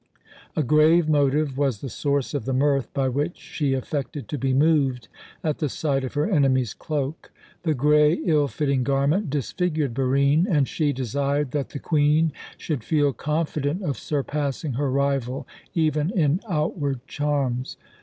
A grave motive was the source of the mirth by which she affected to be moved at the sight of her enemy's cloak. The grey, ill fitting garment disfigured Barine, and she desired that the Queen should feel confident of surpassing her rival even in outward charms.